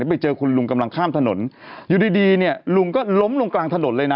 ไปเจอคุณลุงกำลังข้ามถนนอยู่ดีดีเนี่ยลุงก็ล้มลงกลางถนนเลยนะ